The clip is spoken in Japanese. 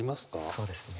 そうですね。